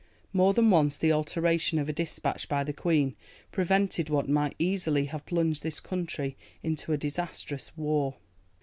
More than once the alteration of a dispatch by the Queen prevented what might easily have plunged this country into a disastrous war.